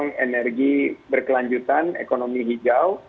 strike in key